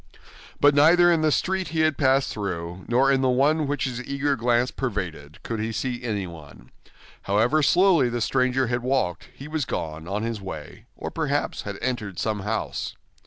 But neither in the street he had passed through, nor in the one which his eager glance pervaded, could he see anyone; however slowly the stranger had walked, he was gone on his way, or perhaps had entered some house.